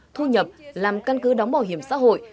thu nhập làm căn cứ đóng bảo hiểm xã hội